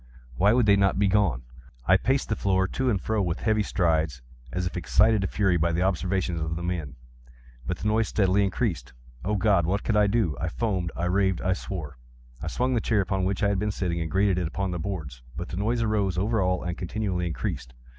Why would they not be gone? I paced the floor to and fro with heavy strides, as if excited to fury by the observations of the men—but the noise steadily increased. Oh God! what could I do? I foamed—I raved—I swore! I swung the chair upon which I had been sitting, and grated it upon the boards, but the noise arose over all and continually increased.